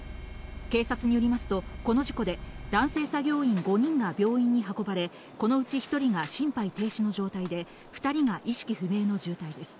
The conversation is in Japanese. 警察によりますと、この事故で男性作業員５人が病院に運ばれ、このうち１人が心肺停止の状態で、２人が意識不明の重体です。